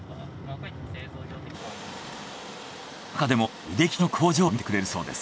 なかでも腕利きの工場を見せてくれるそうです。